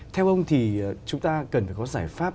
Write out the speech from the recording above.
theo ông thì chúng ta cần phải có giải pháp